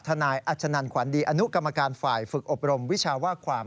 นายอัชนันขวัญดีอนุกรรมการฝ่ายฝึกอบรมวิชาว่าความ